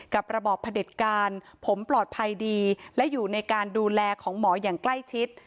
กับระบอบผลิตการผมปลอดภัยดีและอยู่ในการดูแลของหมอยังใกล้ชิด